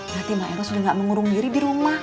berarti mbak eros udah nggak mengurung diri di rumah